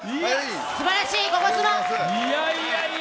すばらしい「ゴゴスマ」！